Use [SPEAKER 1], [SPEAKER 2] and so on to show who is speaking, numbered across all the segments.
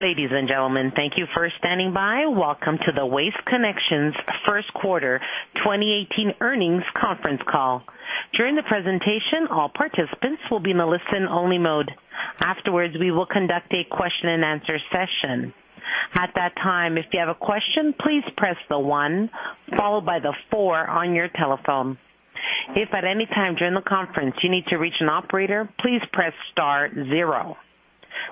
[SPEAKER 1] Ladies and gentlemen, thank you for standing by. Welcome to the Waste Connections first quarter 2018 earnings conference call. During the presentation, all participants will be in listen-only mode. Afterwards, we will conduct a question-and-answer session. At that time, if you have a question, please press the one followed by the four on your telephone. If at any time during the conference you need to reach an operator, please press star zero.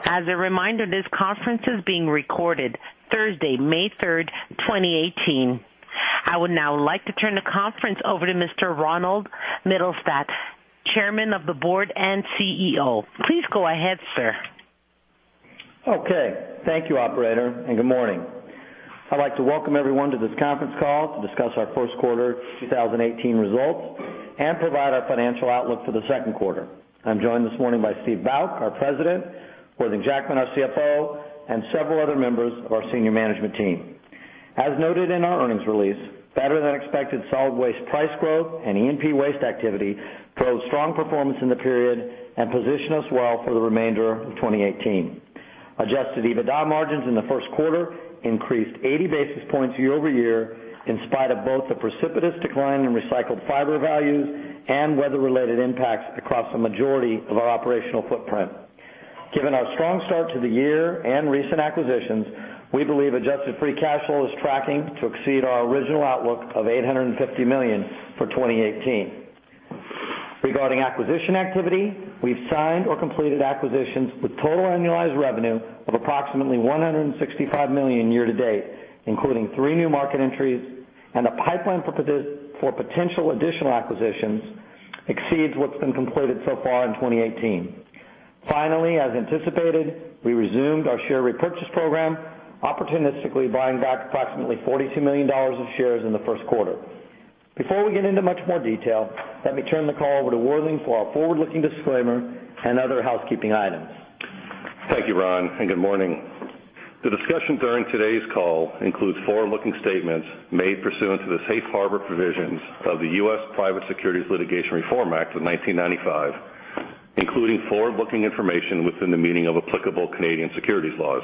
[SPEAKER 1] As a reminder, this conference is being recorded Thursday, May 3rd, 2018. I would now like to turn the conference over to Mr. Ronald Mittelstaedt, Chairman of the Board and CEO. Please go ahead, sir.
[SPEAKER 2] Okay. Thank you, operator, and good morning. I'd like to welcome everyone to this conference call to discuss our first quarter 2018 results and provide our financial outlook for the second quarter. I'm joined this morning by Steve Bauk, our President, Worthing Jackman, our CFO, and several other members of our senior management team. As noted in our earnings release, better-than-expected solid waste price growth and E&P waste activity drove strong performance in the period and position us well for the remainder of 2018. Adjusted EBITDA margins in the first quarter increased 80 basis points year-over-year in spite of both the precipitous decline in recycled fiber values and weather-related impacts across the majority of our operational footprint. Given our strong start to the year and recent acquisitions, we believe adjusted free cash flow is tracking to exceed our original outlook of $850 million for 2018. Regarding acquisition activity, we've signed or completed acquisitions with total annualized revenue of approximately $165 million year-to-date, including three new market entries, and a pipeline for potential additional acquisitions exceeds what's been completed so far in 2018. Finally, as anticipated, we resumed our share repurchase program, opportunistically buying back approximately $42 million of shares in the first quarter. Before we get into much more detail, let me turn the call over to Worthing for our forward-looking disclaimer and other housekeeping items.
[SPEAKER 3] Thank you, Ron, and good morning. The discussion during today's call includes forward-looking statements made pursuant to the Safe Harbor Provisions of the U.S. Private Securities Litigation Reform Act of 1995, including forward-looking information within the meaning of applicable Canadian securities laws.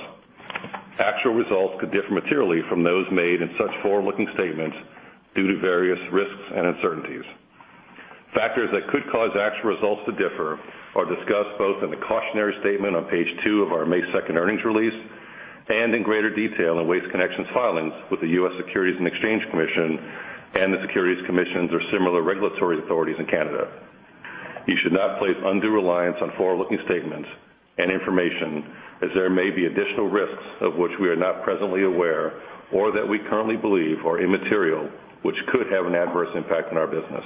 [SPEAKER 3] Actual results could differ materially from those made in such forward-looking statements due to various risks and uncertainties. Factors that could cause actual results to differ are discussed both in the cautionary statement on page two of our May 2nd earnings release and in greater detail in Waste Connections' filings with the U.S. Securities and Exchange Commission and the Securities Commissions or similar regulatory authorities in Canada. You should not place undue reliance on forward-looking statements and information as there may be additional risks of which we are not presently aware or that we currently believe are immaterial, which could have an adverse impact on our business.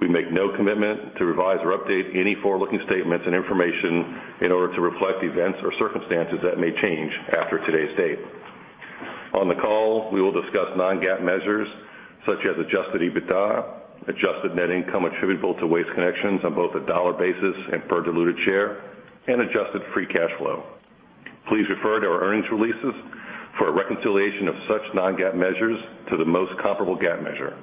[SPEAKER 3] We make no commitment to revise or update any forward-looking statements and information in order to reflect events or circumstances that may change after today's date. On the call, we will discuss non-GAAP measures such as adjusted EBITDA, adjusted net income attributable to Waste Connections on both a dollar basis and per diluted share, and adjusted free cash flow. Please refer to our earnings releases for a reconciliation of such non-GAAP measures to the most comparable GAAP measure.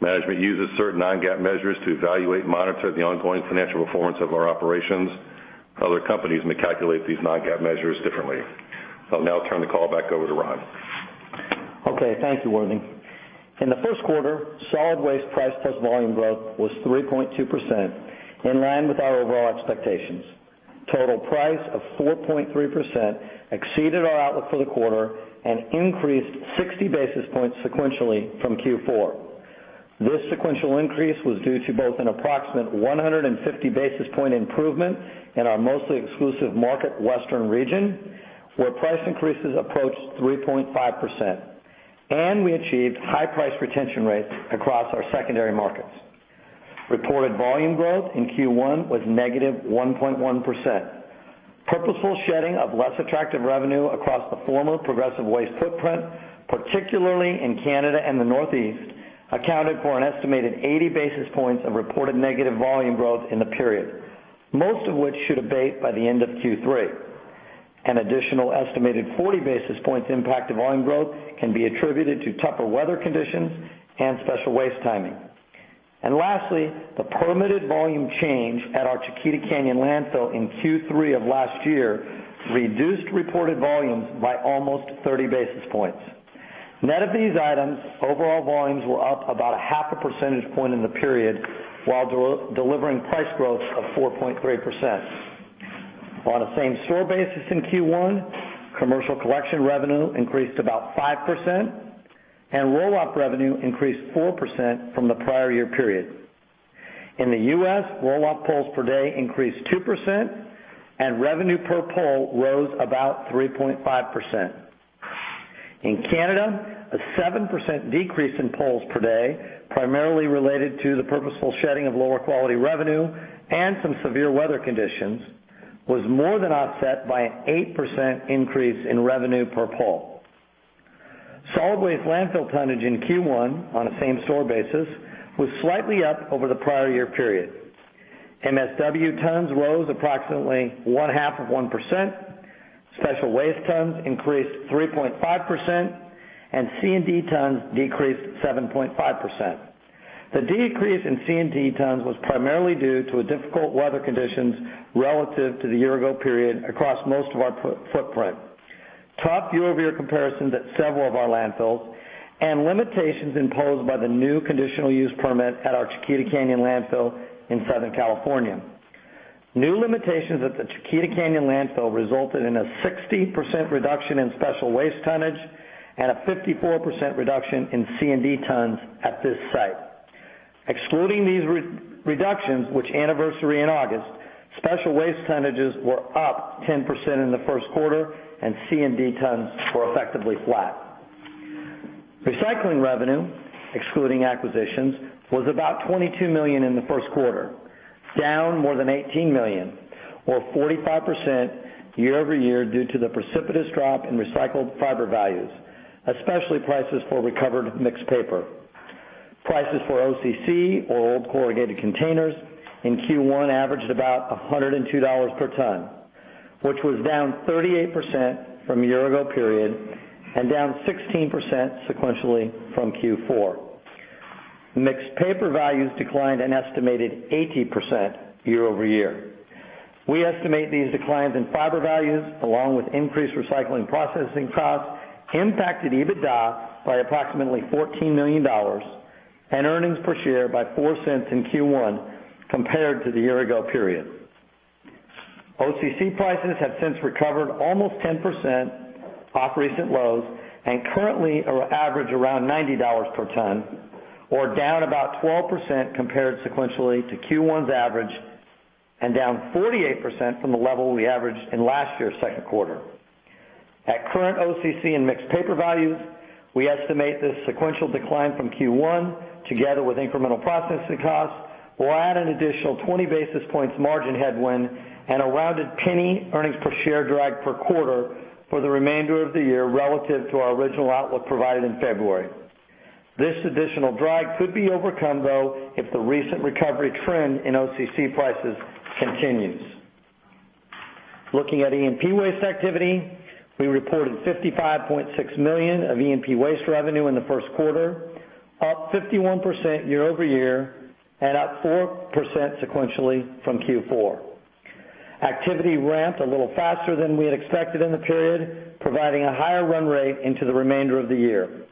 [SPEAKER 3] Management uses certain non-GAAP measures to evaluate and monitor the ongoing financial performance of our operations. Other companies may calculate these non-GAAP measures differently. I'll now turn the call back over to Ron.
[SPEAKER 2] Okay. Thank you, Worthing. In the first quarter, solid waste price plus volume growth was 3.2%, in line with our overall expectations. Total price of 4.3% exceeded our outlook for the quarter and increased 60 basis points sequentially from Q4. This sequential increase was due to both an approximate 150-basis-point improvement in our mostly exclusive market western region, where price increases approached 3.5%, and we achieved high price retention rates across our secondary markets. Reported volume growth in Q1 was -1.1%. Purposeful shedding of less attractive revenue across the former Progressive Waste footprint, particularly in Canada and the Northeast, accounted for an estimated 80 basis points of reported negative volume growth in the period, most of which should abate by the end of Q3. An additional estimated 40 basis points impact to volume growth can be attributed to tougher weather conditions and special waste timing. Lastly, the permitted volume change at our Chiquita Canyon Landfill in Q3 of last year reduced reported volumes by almost 30 basis points. Net of these items, overall volumes were up about a half a percentage point in the period while delivering price growth of 4.3%. On a same-store basis in Q1, commercial collection revenue increased about 5%, and roll-off revenue increased 4% from the prior year period. In the U.S., roll-off polls per day increased 2%, and revenue per poll rose about 3.5%. In Canada, a 7% decrease in polls per day, primarily related to the purposeful shedding of lower-quality revenue and some severe weather conditions, was more than offset by an 8% increase in revenue per poll. Solid waste landfill tonnage in Q1 on a same-store basis was slightly up over the prior year period. MSW tons rose approximately one-half of 1%, special waste tons increased 3.5%, and C&D tons decreased 7.5%. The decrease in C&D tons was primarily due to difficult weather conditions relative to the year-ago period across most of our footprint, tough year-over-year comparisons at several of our landfills and limitations imposed by the new conditional use permit at our Chiquita Canyon Landfill in Southern California. New limitations at the Chiquita Canyon Landfill resulted in a 60% reduction in special waste tonnage and a 54% reduction in C&D tons at this site. Excluding these reductions, which anniversary in August, special waste tonnages were up 10% in the first quarter, and C&D tons were effectively flat. Recycling revenue, excluding acquisitions, was about $22 million in the first quarter, down more than $18 million or 45% year-over-year due to the precipitous drop in recycled fiber values, especially prices for recovered mixed paper. Prices for OCC, or old corrugated containers, in Q1 averaged about $102 per ton, which was down 38% from the year-ago period and down 16% sequentially from Q4. Mixed paper values declined an estimated 80% year-over-year. We estimate these declines in fiber values, along with increased recycling processing costs, impacted EBITDA by approximately $14 million and earnings per share by $0.04 in Q1 compared to the year-ago period. OCC prices have since recovered almost 10% off recent lows and currently average around $90 per ton, or down about 12% compared sequentially to Q1's average and down 48% from the level we averaged in last year's second quarter. At current OCC and mixed paper values, we estimate this sequential decline from Q1, together with incremental processing costs, will add an additional 20 basis points margin headwind and a rounded $0.01 earnings per share drag per quarter for the remainder of the year relative to our original outlook provided in February. Looking at E&P Waste activity, we reported $55.6 million of E&P Waste revenue in the first quarter, up 51% year-over-year and up 4% sequentially from Q4. Activity ramped a little faster than we had expected in the period, providing a higher run rate into the remainder of the year.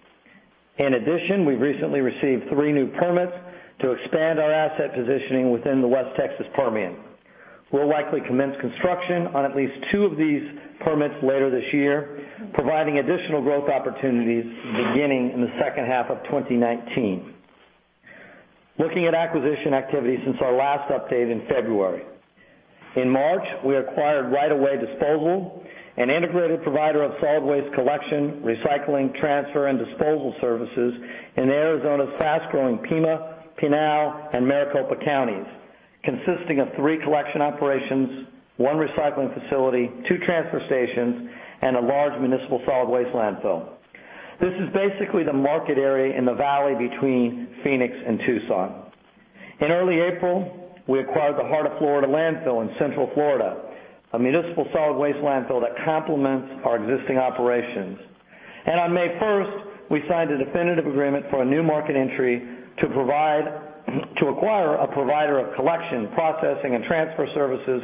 [SPEAKER 2] In addition, we recently received three new permits to expand our asset positioning within the West Texas Permian. We'll likely commence construction on at least two of these permits later this year, providing additional growth opportunities beginning in the second half of 2019. Looking at acquisition activity since our last update in February. In March, we acquired Right Away Disposal, an integrated provider of solid waste collection, recycling, transfer, and disposal services in Arizona's fast-growing Pima, Pinal, and Maricopa Counties, consisting of three collection operations, one recycling facility, two transfer stations, and a large municipal solid waste landfill. This is basically the market area in the valley between Phoenix and Tucson. In early April, we acquired the Heart of Florida Landfill in Central Florida, a municipal solid waste landfill that complements our existing operations. On May 1st, we signed a definitive agreement for a new market entry to acquire a provider of collection, processing, and transfer services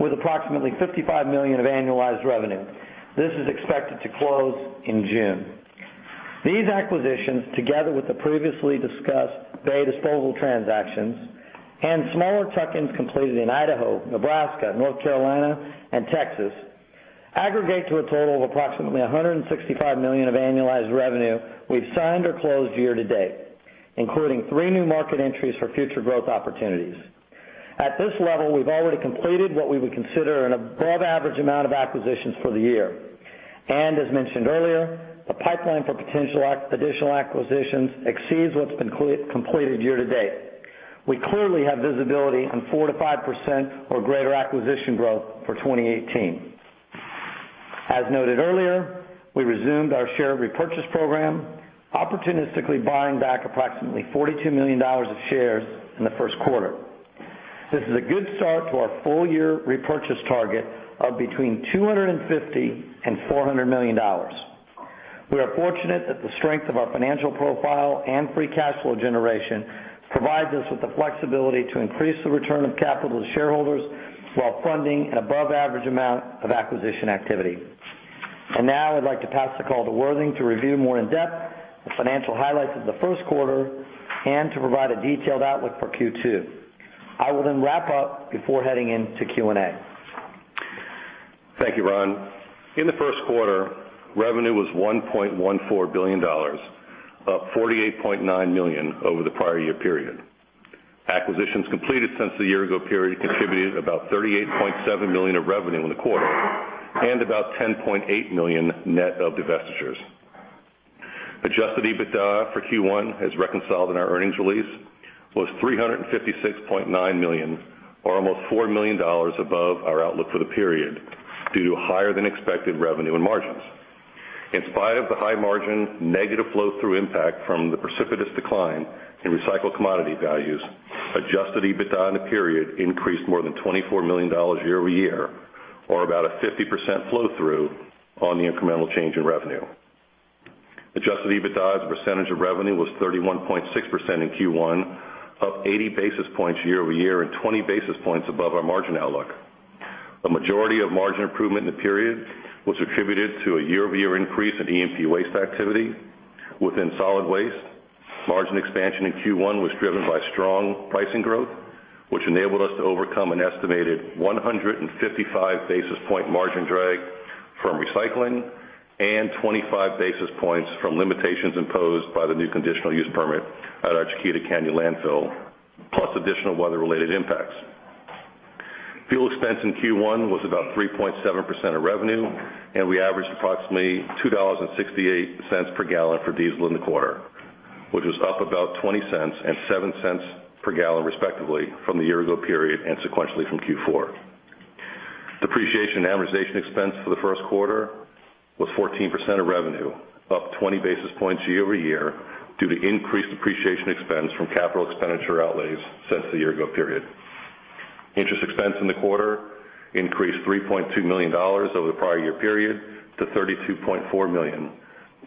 [SPEAKER 2] with approximately $55 million of annualized revenue. This is expected to close in June. These acquisitions, together with the previously discussed Bay Disposal transactions and smaller tuck-ins completed in Idaho, Nebraska, North Carolina, and Texas, aggregate to a total of approximately $165 million of annualized revenue we've signed or closed year to date, including three new market entries for future growth opportunities. At this level, we've already completed what we would consider an above-average amount of acquisitions for the year. As mentioned earlier, the pipeline for potential additional acquisitions exceeds what's been completed year to date. We clearly have visibility on 4%-5% or greater acquisition growth for 2018. As noted earlier, we resumed our share repurchase program, opportunistically buying back approximately $42 million of shares in the first quarter. This is a good start to our full-year repurchase target of between $250 million and $400 million. We are fortunate that the strength of our financial profile and free cash flow generation provides us with the flexibility to increase the return of capital to shareholders while funding an above-average amount of acquisition activity. Now I'd like to pass the call to Worthing to review more in depth the financial highlights of the first quarter and to provide a detailed outlook for Q2. I will then wrap up before heading into Q&A.
[SPEAKER 3] Thank you, Ron. In the first quarter, revenue was $1.14 billion, up $48.9 million over the prior year period. Acquisitions completed since the year-ago period contributed about $38.7 million of revenue in the quarter and about $10.8 million net of divestitures. Adjusted EBITDA for Q1, as reconciled in our earnings release, was $356.9 million or almost $4 million above our outlook for the period due to higher-than-expected revenue and margins. In spite of the high margin negative flow-through impact from the precipitous decline in recycled commodity values, adjusted EBITDA in the period increased more than $24 million year-over-year. About a 50% flow-through on the incremental change in revenue. Adjusted EBITDA as a percentage of revenue was 31.6% in Q1, up 80 basis points year-over-year and 20 basis points above our margin outlook. The majority of margin improvement in the period was attributed to a year-over-year increase in E&P waste activity within solid waste. Margin expansion in Q1 was driven by strong pricing growth, which enabled us to overcome an estimated 155 basis point margin drag from recycling and 25 basis points from limitations imposed by the new conditional use permit at our Chiquita Canyon Landfill, plus additional weather-related impacts. Fuel expense in Q1 was about 3.7% of revenue, and we averaged approximately $2.68 per gallon for diesel in the quarter, which was up about $0.20 and $0.07 per gallon respectively from the year-ago period and sequentially from Q4. Depreciation and amortization expense for the first quarter was 14% of revenue, up 20 basis points year-over-year due to increased depreciation expense from capital expenditure outlays since the year-ago period. Interest expense in the quarter increased $3.2 million over the prior year period to $32.4 million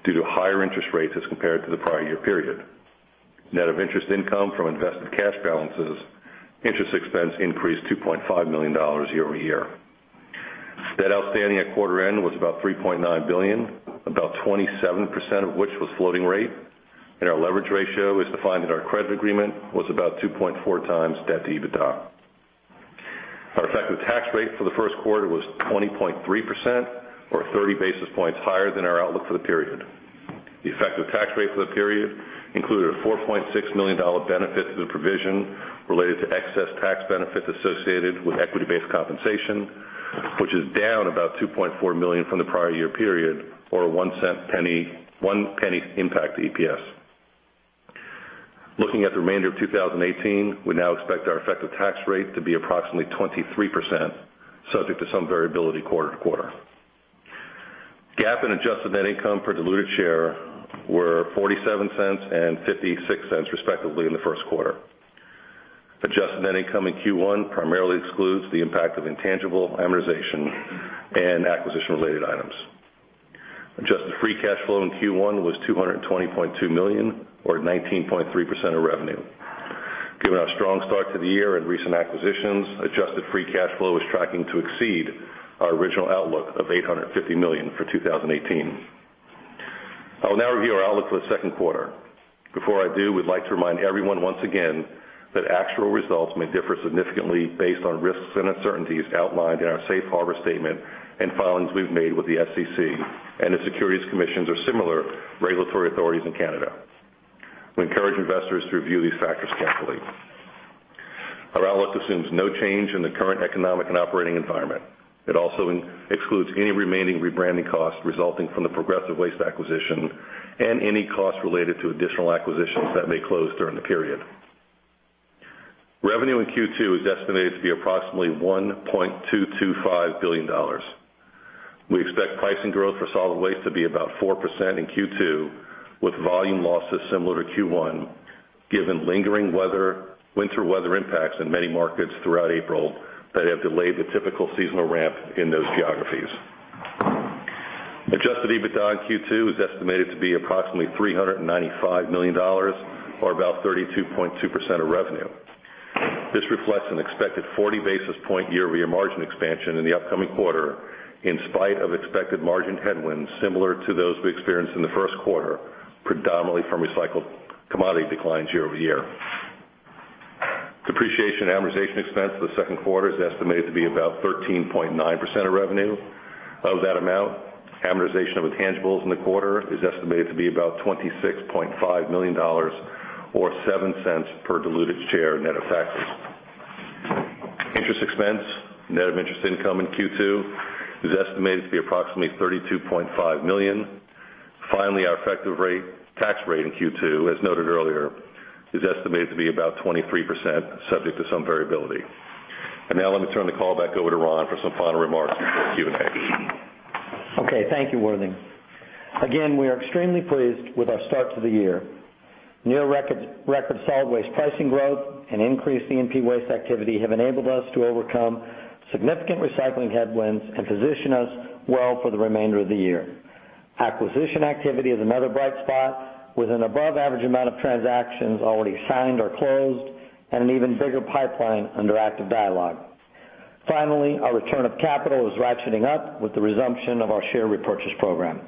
[SPEAKER 3] due to higher interest rates as compared to the prior year period. Net of interest income from invested cash balances, interest expense increased $2.5 million year-over-year. Debt outstanding at quarter end was about $3.9 billion, about 27% of which was floating rate, and our leverage ratio as defined in our credit agreement was about 2.4 times debt to EBITDA. Our effective tax rate for the first quarter was 20.3%, or 30 basis points higher than our outlook for the period. The effective tax rate for the period included a $4.6 million benefit through the provision related to excess tax benefits associated with equity-based compensation, which is down about $2.4 million from the prior year period or a $0.01 impact to EPS. Looking at the remainder of 2018, we now expect our effective tax rate to be approximately 23%, subject to some variability quarter to quarter. GAAP and adjusted net income per diluted share were $0.47 and $0.56 respectively in the first quarter. Adjusted net income in Q1 primarily excludes the impact of intangible amortization and acquisition-related items. Adjusted free cash flow in Q1 was $220.2 million or 19.3% of revenue. Given our strong start to the year and recent acquisitions, adjusted free cash flow is tracking to exceed our original outlook of $850 million for 2018. I will now review our outlook for the second quarter. Before I do, we'd like to remind everyone once again that actual results may differ significantly based on risks and uncertainties outlined in our safe harbor statement and filings we've made with the SEC and the Securities Commissions or similar regulatory authorities in Canada. We encourage investors to review these factors carefully. Our outlook assumes no change in the current economic and operating environment. It also excludes any remaining rebranding costs resulting from the Progressive Waste acquisition and any costs related to additional acquisitions that may close during the period. Revenue in Q2 is estimated to be approximately $1.225 billion. We expect pricing growth for solid waste to be about 4% in Q2, with volume losses similar to Q1, given lingering winter weather impacts in many markets throughout April that have delayed the typical seasonal ramp in those geographies. Adjusted EBITDA in Q2 is estimated to be approximately $395 million or about 32.2% of revenue. This reflects an expected 40 basis point year-over-year margin expansion in the upcoming quarter, in spite of expected margin headwinds similar to those we experienced in the first quarter, predominantly from recycled commodity declines year-over-year. Depreciation and amortization expense for the second quarter is estimated to be about 13.9% of revenue. Of that amount, amortization of intangibles in the quarter is estimated to be about $26.5 million or $0.07 per diluted share net of taxes. Interest expense, net of interest income in Q2, is estimated to be approximately $32.5 million. Finally, our effective tax rate in Q2, as noted earlier, is estimated to be about 23%, subject to some variability. Now let me turn the call back over to Ron for some final remarks before the Q&A.
[SPEAKER 2] Okay. Thank you, Worthing. Again, we are extremely pleased with our start to the year. Near record solid waste pricing growth and increased E&P waste activity have enabled us to overcome significant recycling headwinds and position us well for the remainder of the year. Acquisition activity is another bright spot, with an above average amount of transactions already signed or closed and an even bigger pipeline under active dialogue. Finally, our return of capital is ratcheting up with the resumption of our share repurchase program.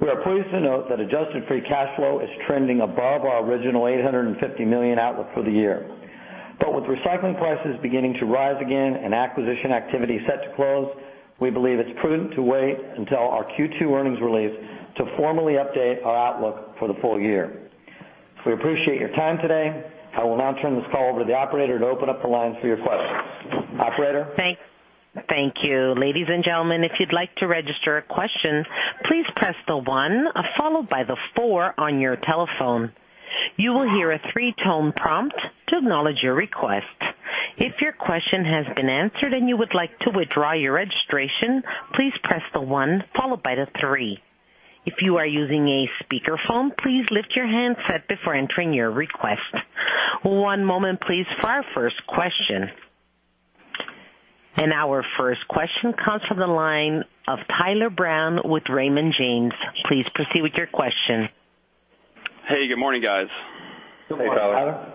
[SPEAKER 2] We are pleased to note that adjusted free cash flow is trending above our original $850 million outlook for the year. With recycling prices beginning to rise again and acquisition activity set to close, we believe it's prudent to wait until our Q2 earnings release to formally update our outlook for the full year. We appreciate your time today. I will now turn this call over to the operator to open up the lines for your questions. Operator?
[SPEAKER 1] Thank you. Ladies and gentlemen, if you'd like to register a question, please press the one followed by the four on your telephone. You will hear a three-tone prompt to acknowledge your request. If your question has been answered and you would like to withdraw your registration, please press the one followed by the three. If you are using a speakerphone, please lift your handset before entering your request. One moment please for our first question. Our first question comes from the line of Tyler Brown with Raymond James. Please proceed with your question.
[SPEAKER 4] Hey, good morning, guys.
[SPEAKER 2] Good morning, Tyler.
[SPEAKER 3] Hey, Tyler.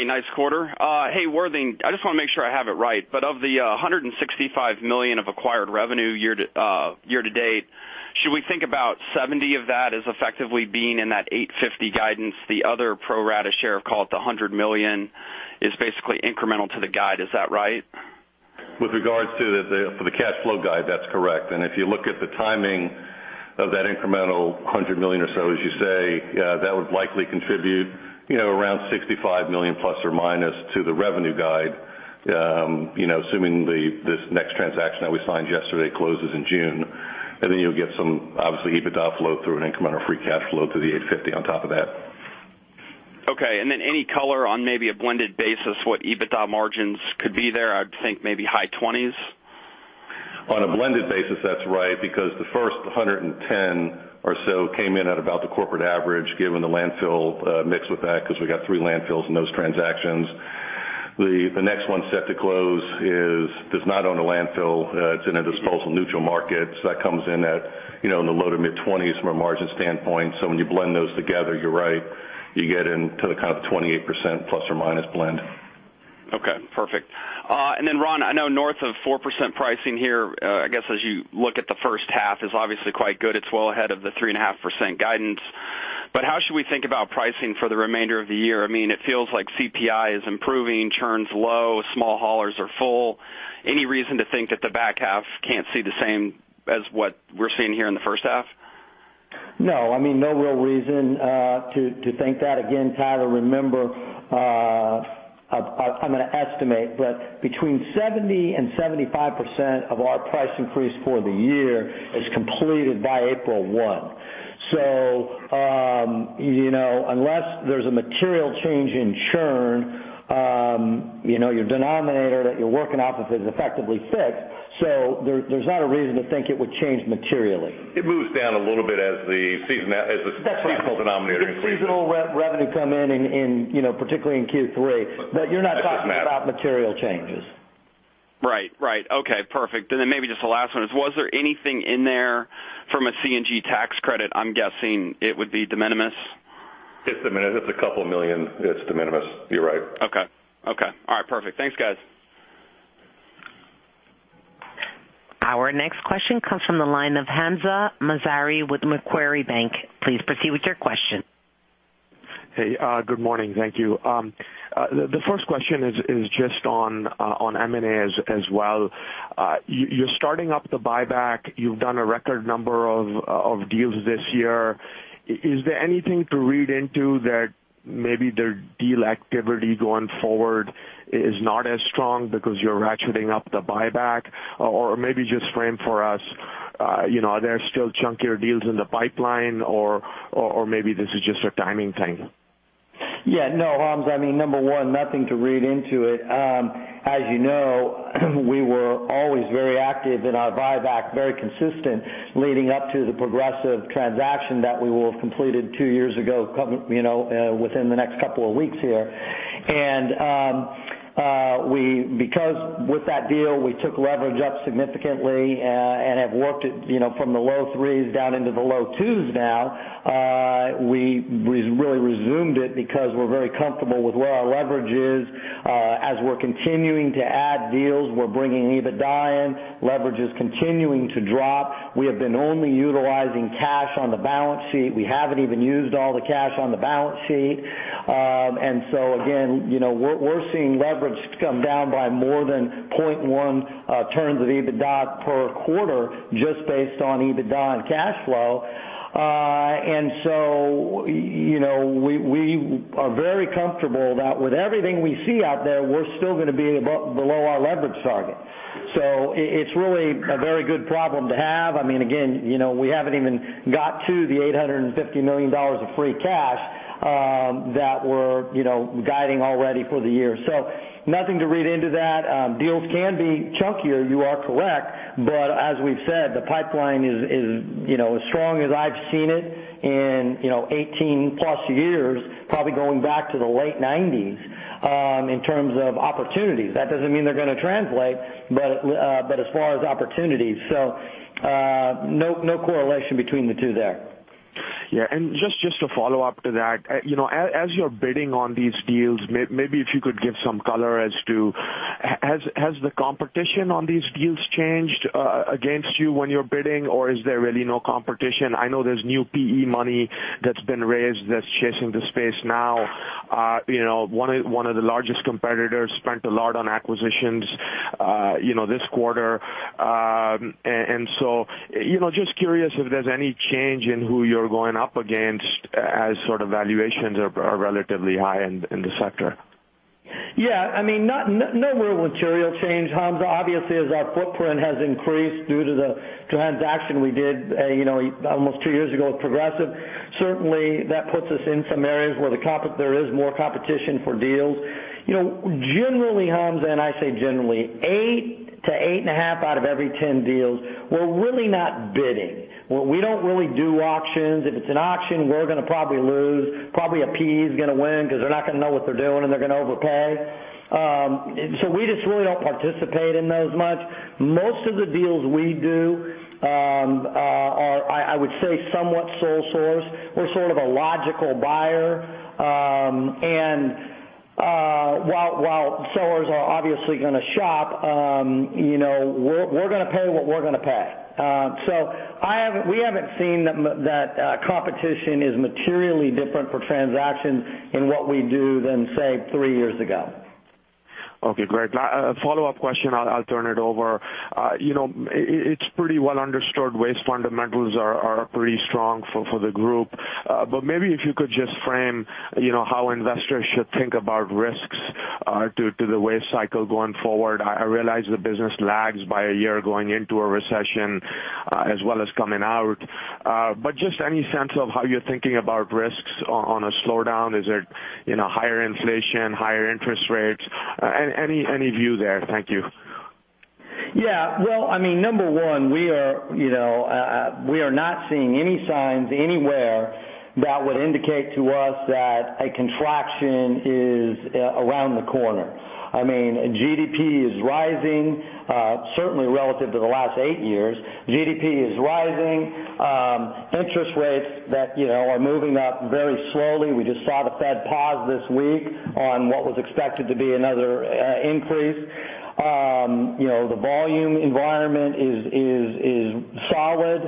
[SPEAKER 4] Hey, nice quarter. Hey, Worthing, I just want to make sure I have it right, of the $165 million of acquired revenue year-to-date, should we think about $70 million of that as effectively being in that $850 million guidance? The other pro rata share of, call it, the $100 million, is basically incremental to the guide. Is that right?
[SPEAKER 3] With regards to the cash flow guide, that's correct. If you look at the timing of that incremental $100 million or so, as you say, that would likely contribute around $65 million plus or minus to the revenue guide, assuming this next transaction that we signed yesterday closes in June. Then you'll get some, obviously, EBITDA flow through an incremental free cash flow through the $850 million on top of that.
[SPEAKER 4] Okay. Any color on maybe a blended basis, what EBITDA margins could be there? I'd think maybe high 20s?
[SPEAKER 3] On a blended basis, that's right, because the first $110 million or so came in at about the corporate average, given the landfill mixed with that, because we got three landfills in those transactions. The next one set to close does not own a landfill. It's in a disposal-neutral market. That comes in at the low to mid-20s from a margin standpoint. When you blend those together, you're right, you get into the kind of 28% plus or minus blend.
[SPEAKER 4] Okay, perfect. Ron, I know north of 4% pricing here, I guess as you look at the first half, is obviously quite good. It's well ahead of the 3.5% guidance. How should we think about pricing for the remainder of the year? It feels like CPI is improving, churn's low, small haulers are full. Any reason to think that the back half can't see the same as what we're seeing here in the first half?
[SPEAKER 3] No. No real reason to think that. Again, Tyler, remember, I'm going to estimate, but between 70%-75% of our price increase for the year is completed by April 1. Unless there's a material change in churn, your denominator that you're working off is effectively fixed. There's not a reason to think it would change materially.
[SPEAKER 4] It moves down a little bit as the seasonal-
[SPEAKER 3] That's right
[SPEAKER 4] denominator increases.
[SPEAKER 3] The seasonal revenue come in, particularly in Q3. You're not talking about material changes.
[SPEAKER 4] Right. Okay, perfect. Maybe just the last one is, was there anything in there from a CNG tax credit? I'm guessing it would be de minimis.
[SPEAKER 3] It's de minimis. It's a couple of million. It's de minimis. You're right.
[SPEAKER 4] Okay. All right, perfect. Thanks, guys.
[SPEAKER 1] Our next question comes from the line of Hamzah Mazari with Macquarie Group. Please proceed with your question.
[SPEAKER 5] Good morning. Thank you. The first question is just on M&A as well. You're starting up the buyback. You've done a record number of deals this year. Is there anything to read into that maybe the deal activity going forward is not as strong because you're ratcheting up the buyback? Maybe just frame for us, are there still chunkier deals in the pipeline or maybe this is just a timing thing?
[SPEAKER 2] No, Hamzah, number one, nothing to read into it. As you know, we were always very active in our buyback, very consistent leading up to the Progressive transaction that we will have completed two years ago within the next couple of weeks here. Because with that deal, we took leverage up significantly and have worked it from the low threes down into the low twos now. We really resumed it because we're very comfortable with where our leverage is. As we're continuing to add deals, we're bringing EBITDA in. Leverage is continuing to drop. We have been only utilizing cash on the balance sheet. We haven't even used all the cash on the balance sheet. So again, we're seeing leverage come down by more than 0.1 terms of EBITDA per quarter just based on EBITDA and cash flow. We are very comfortable that with everything we see out there, we're still going to be below our leverage target. It's really a very good problem to have. Again, we haven't even got to the $850 million of free cash that we're guiding already for the year. Nothing to read into that. Deals can be chunkier, you are correct, as we've said, the pipeline is as strong as I've seen it in 18+ years, probably going back to the late '90s, in terms of opportunities. That doesn't mean they're going to translate, as far as opportunities. No correlation between the two there.
[SPEAKER 5] Just to follow up to that, as you're bidding on these deals, maybe if you could give some color as to, has the competition on these deals changed against you when you're bidding, or is there really no competition? I know there's new PE money that's been raised that's chasing the space now. One of the largest competitors spent a lot on acquisitions this quarter. Just curious if there's any change in who you're going up against as valuations are relatively high in the sector.
[SPEAKER 2] Yeah. No real material change, Hamzah. Obviously, as our footprint has increased due to the transaction we did almost 2 years ago with Progressive, certainly that puts us in some areas where there is more competition for deals. Generally, Hamzah, I say generally, 8 to 8.5 out of every 10 deals, we're really not bidding. We don't really do auctions. If it's an auction, we're going to probably lose. Probably a PE is going to win because they're not going to know what they're doing, and they're going to overpay. We just really don't participate in those much. Most of the deals we do are, I would say, somewhat sole source. We're sort of a logical buyer. While sellers are obviously going to shop, we're going to pay what we're going to pay. We haven't seen that competition is materially different for transactions in what we do than, say, 3 years ago.
[SPEAKER 5] Okay, great. Follow-up question, I'll turn it over. It's pretty well understood waste fundamentals are pretty strong for the group. Maybe if you could just frame how investors should think about risks to the waste cycle going forward. I realize the business lags by a year going into a recession as well as coming out. Just any sense of how you're thinking about risks on a slowdown. Is it higher inflation, higher interest rates? Any view there? Thank you.
[SPEAKER 2] Yeah. Well, number 1, we are not seeing any signs anywhere that would indicate to us that a contraction is around the corner. GDP is rising, certainly relative to the last 8 years. GDP is rising. Interest rates that are moving up very slowly. We just saw the Fed pause this week on what was expected to be another increase. The volume environment is solid.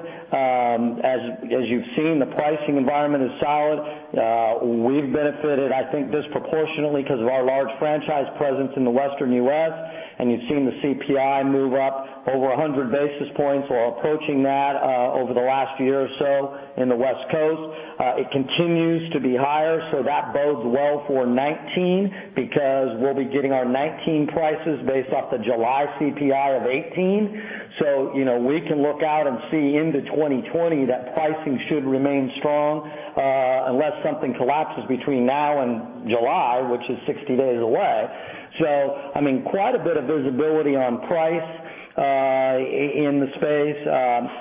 [SPEAKER 2] As you've seen, the pricing environment is solid. We've benefited, I think, disproportionately because of our large franchise presence in the Western U.S., and you've seen the CPI move up over 100 basis points or approaching that over the last year or so in the West Coast. That bodes well for 2019 because we'll be getting our 2019 prices based off the July CPI of 2018. We can look out and see into 2020 that pricing should remain strong, unless something collapses between now and July, which is 60 days away. Quite a bit of visibility on price in the space.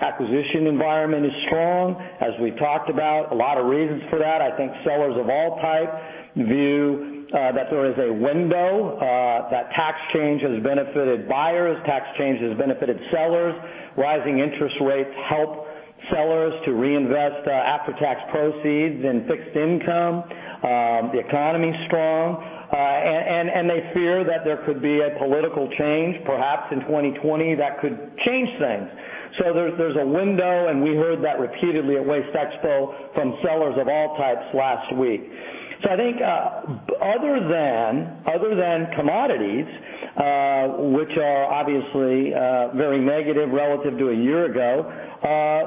[SPEAKER 2] Acquisition environment is strong, as we talked about. A lot of reasons for that. I think sellers of all type view that there is a window, that tax change has benefited buyers, tax change has benefited sellers. Rising interest rates help sellers to reinvest after-tax proceeds in fixed income. The economy is strong. They fear that there could be a political change, perhaps in 2020, that could change things. There's a window, and we heard that repeatedly at WasteExpo from sellers of all types last week. I think other than commodities, which are obviously very negative relative to a year ago,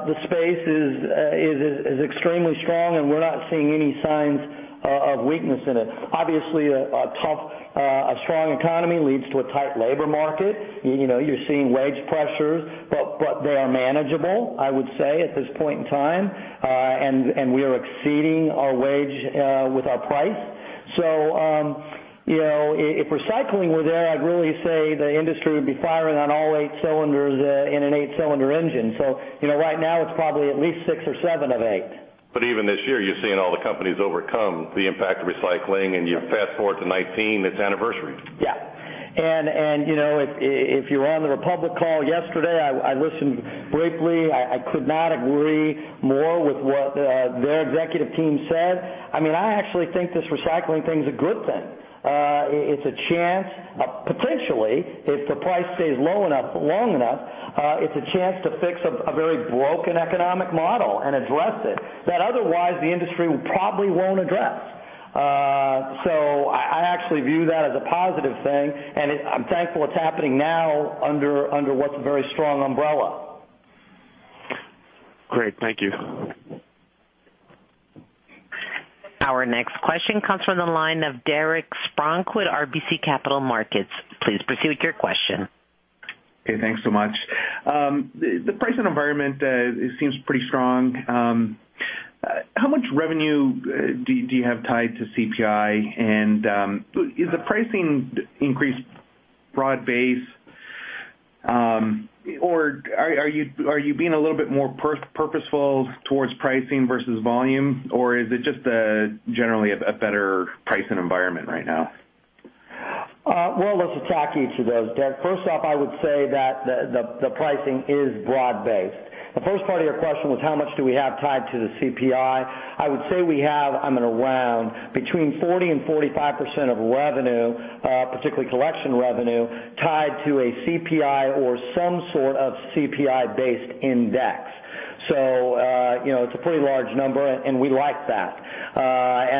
[SPEAKER 2] the space is extremely strong, and we're not seeing any signs of weakness in it. Obviously, a strong economy leads to a tight labor market. You're seeing wage pressures, but they are manageable, I would say, at this point in time, and we are exceeding our wage with our price. If recycling were there, I'd really say the industry would be firing on all eight cylinders in an eight-cylinder engine. Right now, it's probably at least six or seven of eight.
[SPEAKER 3] Even this year, you're seeing all the companies overcome the impact of recycling, and you fast-forward to 2019, it's anniversary.
[SPEAKER 2] If you were on the Republic call yesterday, I listened briefly. I could not agree more with what their executive team said. I actually think this recycling thing is a good thing. Potentially, if the price stays low enough, long enough, it's a chance to fix a very broken economic model and address it, that otherwise the industry probably won't address. I actually view that as a positive thing, and I'm thankful it's happening now under what's a very strong umbrella.
[SPEAKER 5] Great. Thank you.
[SPEAKER 1] Our next question comes from the line of Derek Spronck, RBC Capital Markets. Please proceed with your question.
[SPEAKER 6] Okay, thanks so much. The pricing environment seems pretty strong. How much revenue do you have tied to CPI? Is the pricing increase broad-based, or are you being a little bit more purposeful towards pricing versus volume, or is it just generally a better pricing environment right now?
[SPEAKER 2] Well, let's attack each of those, Derek. First off, I would say that the pricing is broad-based. The first part of your question was how much do we have tied to the CPI? I would say we have, I'm going to round, between 40% and 45% of revenue, particularly collection revenue, tied to a CPI or some sort of CPI-based index. It's a pretty large number, and we like that.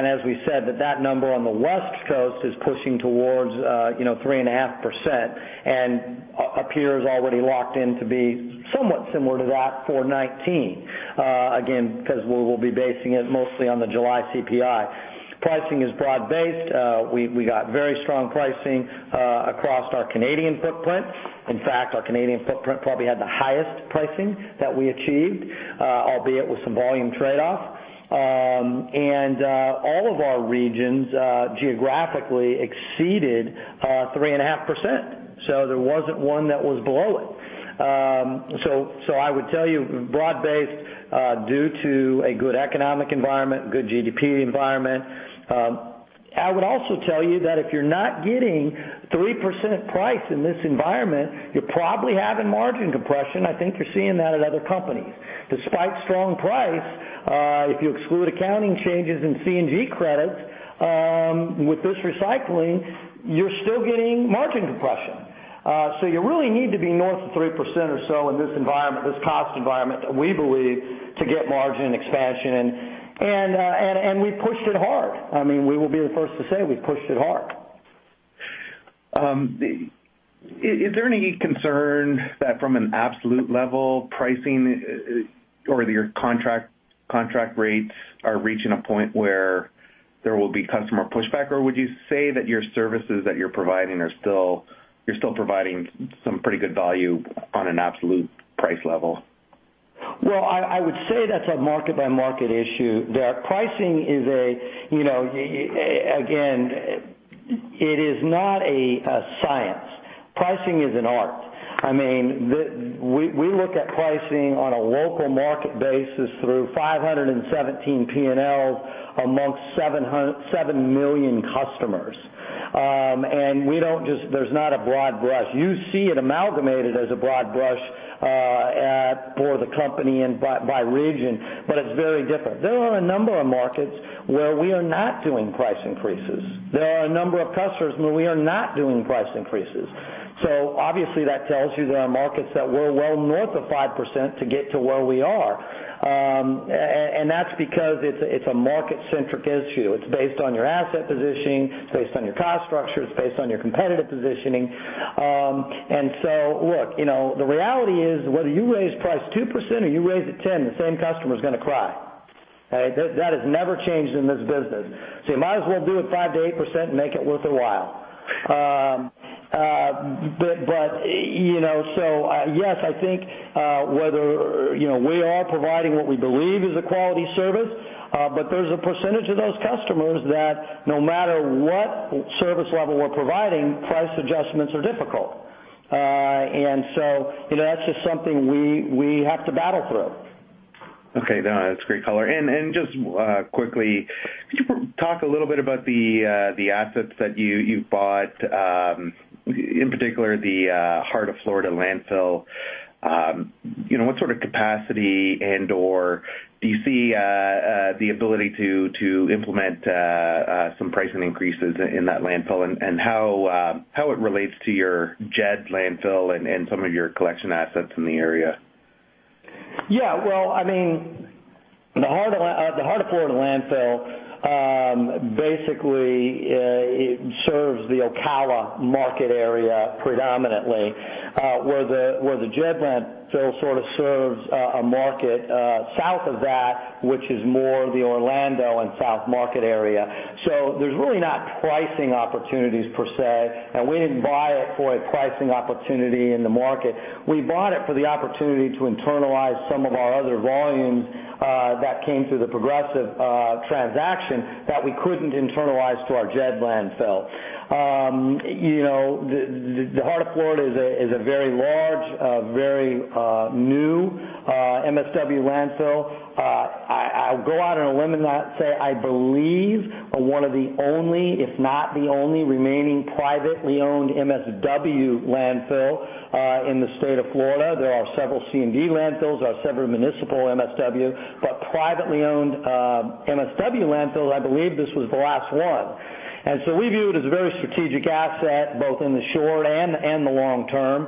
[SPEAKER 2] As we said, that that number on the West Coast is pushing towards 3.5% and appears already locked in to be somewhat similar to that for 2019. Again, because we will be basing it mostly on the July CPI. Pricing is broad-based. We got very strong pricing across our Canadian footprint. In fact, our Canadian footprint probably had the highest pricing that we achieved, albeit with some volume trade-off. All of our regions geographically exceeded 3.5%. There wasn't one that was below it. I would tell you broad-based, due to a good economic environment, good GDP environment. I would also tell you that if you're not getting 3% price in this environment, you're probably having margin compression. I think you're seeing that at other companies. Despite strong price, if you exclude accounting changes in CNG credits, with this recycling, you're still getting margin compression. You really need to be north of 3% or so in this environment, this cost environment, we believe, to get margin expansion. We pushed it hard. We will be the first to say we pushed it hard.
[SPEAKER 6] Is there any concern that from an absolute level, pricing or your contract rates are reaching a point where there will be customer pushback? Or would you say that your services that you're providing, you're still providing some pretty good value on an absolute price level?
[SPEAKER 2] Well, I would say that's a market-by-market issue. Again, it is not a science. Pricing is an art. We look at pricing on a local market basis through 517 P&Ls amongst 7 million customers. There's not a broad brush. You see it amalgamated as a broad brush for the company and by region, but it's very different. There are a number of markets where we are not doing price increases. There are a number of customers where we are not doing price increases. Obviously that tells you there are markets that we're well north of 5% to get to where we are. That's because it's a market-centric issue. It's based on your asset positioning, it's based on your cost structure, it's based on your competitive positioning. Look, the reality is whether you raise price 2% or you raise it 10, the same customer's going to cry, right? That has never changed in this business. You might as well do it 5%-8% and make it worth their while. Yes, I think we are providing what we believe is a quality service, but there's a percentage of those customers that no matter what service level we're providing, price adjustments are difficult. That's just something we have to battle through.
[SPEAKER 6] Okay. No, that's great color. Just quickly, could you talk a little bit about the assets that you've bought, in particular the Heart of Florida Landfill? What sort of capacity and/or do you see the ability to implement some pricing increases in that landfill? How it relates to your JED Landfill and some of your collection assets in the area?
[SPEAKER 2] Yeah. Well, the Heart of Florida Landfill basically serves the Ocala market area predominantly, where the JED Landfill sort of serves a market south of that, which is more the Orlando and south market area. There's really not pricing opportunities per se, we didn't buy it for a pricing opportunity in the market. We bought it for the opportunity to internalize some of our other volumes that came through the Progressive transaction that we couldn't internalize through our JED Landfill. The Heart of Florida is a very large, very new MSW landfill. I'll go out on a limb and say I believe one of the only, if not the only remaining privately owned MSW landfill in the state of Florida. There are several C&D landfills, there are several municipal MSW, privately owned MSW landfill, I believe this was the last one. We view it as a very strategic asset, both in the short and the long term.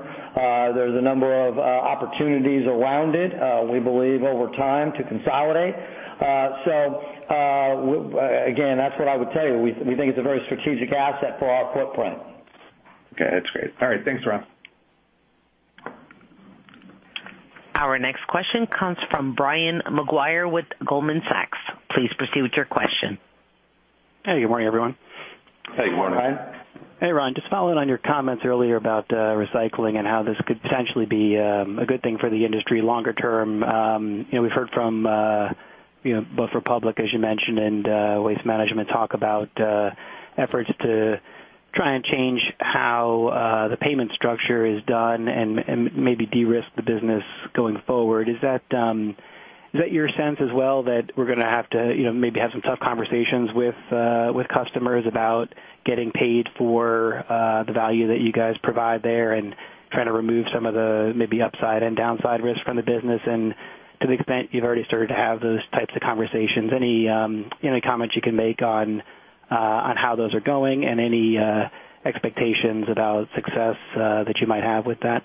[SPEAKER 2] There's a number of opportunities around it, we believe over time to consolidate. Again, that's what I would tell you. We think it's a very strategic asset for our footprint.
[SPEAKER 6] Okay. That's great. All right. Thanks, Ron.
[SPEAKER 1] Our next question comes from Brian Maguire with Goldman Sachs. Please proceed with your question.
[SPEAKER 7] Hey, good morning, everyone.
[SPEAKER 2] Hey, good morning.
[SPEAKER 3] Hey, Brian.
[SPEAKER 7] Hey, Ron. Just following on your comments earlier about recycling and how this could potentially be a good thing for the industry longer term. We've heard from both Republic Services, as you mentioned, and Waste Management talk about efforts to try and change how the payment structure is done and maybe de-risk the business going forward. Is that your sense as well, that we're going to have to maybe have some tough conversations with customers about getting paid for the value that you guys provide there and trying to remove some of the maybe upside and downside risks from the business? To the extent you've already started to have those types of conversations, any comments you can make on how those are going and any expectations about success that you might have with that?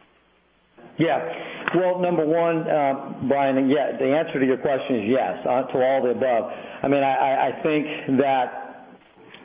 [SPEAKER 2] Yeah. Well, number one, Brian, the answer to your question is yes to all of the above. I think that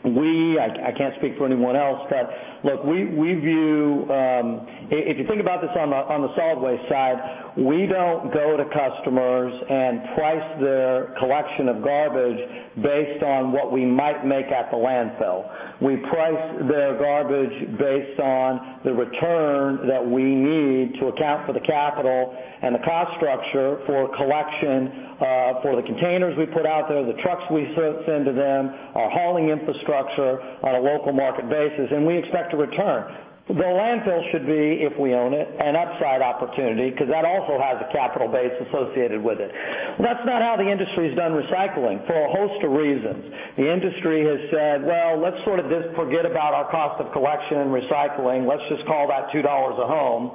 [SPEAKER 2] I can't speak for anyone else, but look, if you think about this on the Solid Waste side, we don't go to customers and price their collection of garbage based on what we might make at the landfill. We price their garbage based on the return that we need to account for the capital and the cost structure for collection, for the containers we put out there, the trucks we send to them, our hauling infrastructure on a local market basis, and we expect a return. The landfill should be, if we own it, an upside opportunity, because that also has a capital base associated with it. That's not how the industry's done recycling, for a host of reasons. The industry has said, "Well, let's sort of just forget about our cost of collection and recycling. Let's just call that $2 a home."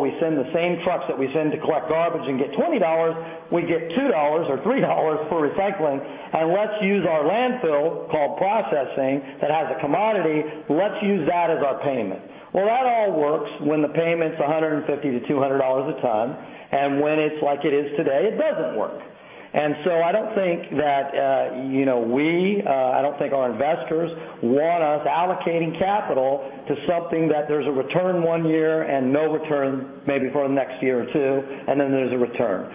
[SPEAKER 2] We send the same trucks that we send to collect garbage and get $20, we get $2 or $3 for recycling, and let's use our landfill, called processing, that has a commodity, let's use that as our payment. Well, that all works when the payment's $150-$200 a ton, and when it's like it is today, it doesn't work. I don't think that we, I don't think our investors want us allocating capital to something that there's a return one year and no return, maybe for the next year or two, and then there's a return.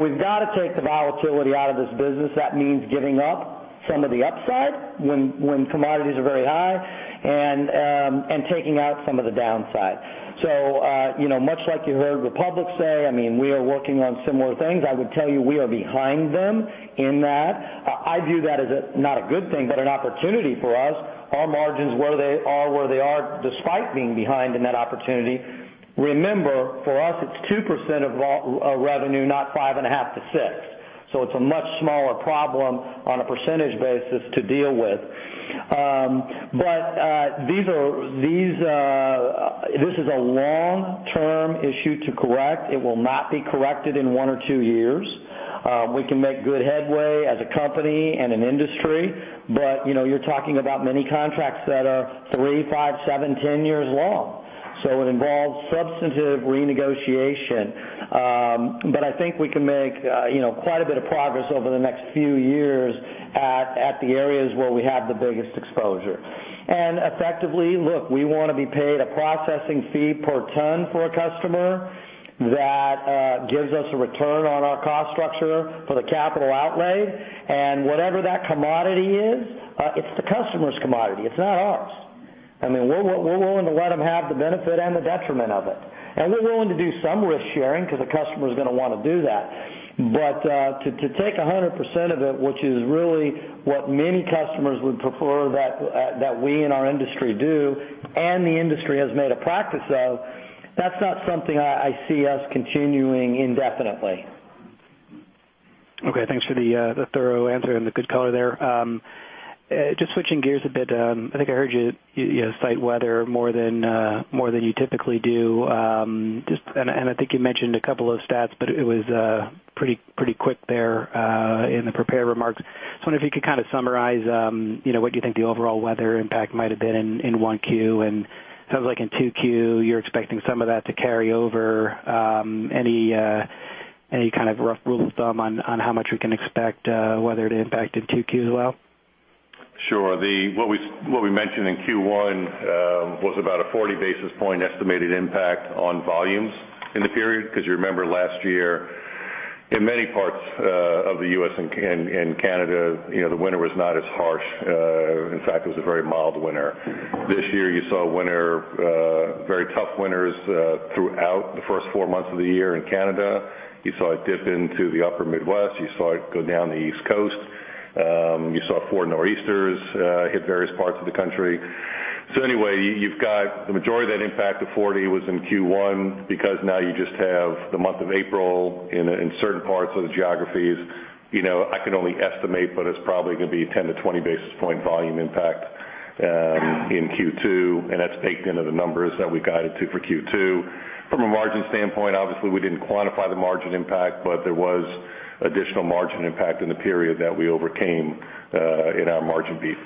[SPEAKER 2] We've got to take the volatility out of this business. That means giving up some of the upside when commodities are very high and taking out some of the downside. Much like you heard Republic Services say, we are working on similar things. I would tell you, we are behind them in that. I view that as not a good thing, but an opportunity for us. Our margins, where they are, where they are, despite being behind in that opportunity. Remember, for us, it's 2% of our revenue, not 5.5%-6%. It's a much smaller problem on a percentage basis to deal with. This is a long-term issue to correct. It will not be corrected in one or two years. We can make good headway as a company and an industry, but you're talking about many contracts that are three, five, seven, 10 years long. It involves substantive renegotiation. I think we can make quite a bit of progress over the next few years at the areas where we have the biggest exposure. Effectively, look, we want to be paid a processing fee per ton for a customer that gives us a return on our cost structure for the capital outlay. Whatever that commodity is, it's the customer's commodity. It's not ours. We're willing to let them have the benefit and the detriment of it. We're willing to do some risk-sharing because the customer's going to want to do that. To take 100% of it, which is really what many customers would prefer that we in our industry do, and the industry has made a practice of, that's not something I see us continuing indefinitely.
[SPEAKER 7] Okay, thanks for the thorough answer and the good color there. Just switching gears a bit, I think I heard you cite weather more than you typically do, and I think you mentioned a couple of stats, but it was pretty quick there in the prepared remarks. Just wondering if you could kind of summarize what you think the overall weather impact might have been in 1Q. It sounds like in 2Q, you're expecting some of that to carry over. Any kind of rough rule of thumb on how much we can expect weather to impact in 2Q as well?
[SPEAKER 2] Sure. What we mentioned in Q1 was about a 40 basis points estimated impact on volumes in the period, because you remember last year, in many parts of the U.S. and Canada, the winter was not as harsh. In fact, it was a very mild winter. This year, you saw winter, very tough winters throughout the first four months of the year in Canada. You saw it dip into the upper Midwest. You saw it go down the East Coast. You saw four Nor'easters hit various parts of the country. Anyway, you've got the majority of that impact of 40 was in Q1, because now you just have the month of April in certain parts of the geographies. I can only estimate, but it's probably going to be a 10 to 20 basis points volume impact in Q2, and that's baked into the numbers that we guided to for Q2. From a margin standpoint, obviously, we didn't quantify the margin impact, but there was additional margin impact in the period that we overcame in our margin beat.